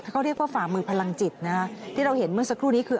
เขาเรียกว่าฝ่ามือพลังจิตนะฮะที่เราเห็นเมื่อสักครู่นี้คือ